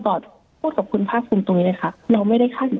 ค่าสินตอบขอบคุณภาคภูมิตัวไว้ค่ะแล้วไม่ได้ช่วย